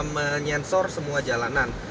menyensor semua jalanan